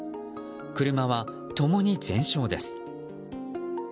車は共に全焼です。